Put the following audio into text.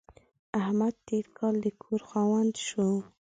احمد تېر کال د کور خاوند شو.